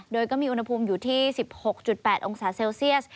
โดยก็มีอุณหภูมิอยู่ที่๑๖๘องศาเซลเซียส